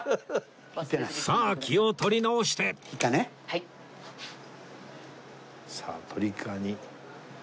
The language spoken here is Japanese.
さあ気を取り直してさあトリガーに。